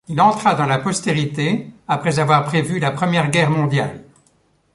Il entra dans la postérité après avoir prévu la Première Guerre mondiale.